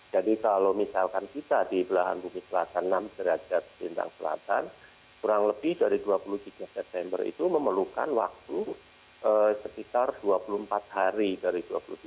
jadi kalau misalkan kita di belahan bumi selatan enam derajat lintang selatan kurang lebih dari dua puluh tiga september itu memerlukan waktu sekitar dua puluh empat hari dari dua puluh tiga